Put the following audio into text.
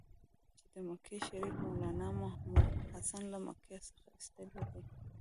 چې د مکې شریف مولنا محمودحسن له مکې څخه ایستلی دی.